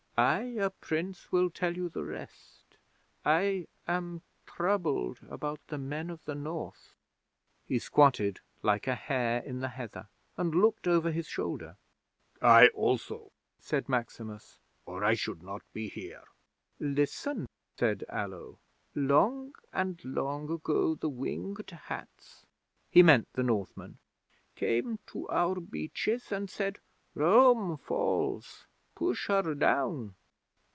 I, a Prince, will tell you the rest. I am troubled about the Men of the North." He squatted like a hare in the heather, and looked over his shoulder. '"I also," said Maximus, "or I should not be here." '"Listen," said Allo. "Long and long ago the Winged Hats" he meant the Northmen "came to our beaches and said, 'Rome falls! Push her down!'